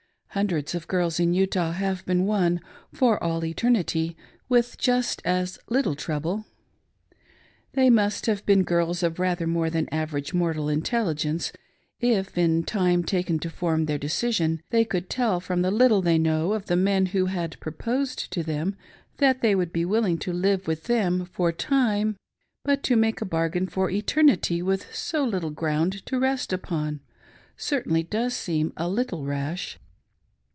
Hundreds of girls in Utah have been won "for all eternity" with just as little trouble. They must have been girls of rather more than average mortal intelligence, if in the time taken to form their decision they could tell from the little they jknow of the men who had proposed to them, that they would be willing to live with them "for time ;" but to make a bargain for "eternity" with so little ground to rest upon, certainly does seem a little rash.